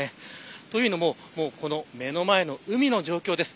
というのも目の前の海の状況です。